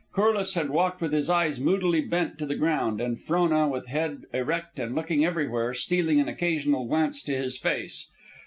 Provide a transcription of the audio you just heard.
Corliss had walked with his eyes moodily bent to the ground; and Frona, with head erect and looking everywhere, stealing an occasional glance to his face.